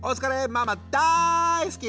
ママだいすき！！